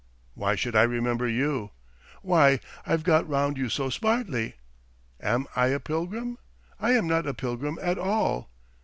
"Why should I remember you?" "Why I've got round you so smartly. ... Am I a pilgrim? I am not a pilgrim at all."